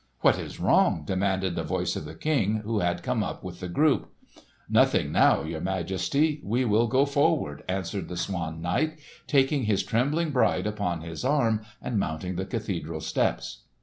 "What is wrong?" demanded the voice of the King, who had come up with the group. "Nothing now, your Majesty. We will go forward," answered the Swan Knight, taking his trembling bride upon his arm and mounting the cathedral steps.